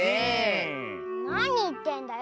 なにいってんだよ。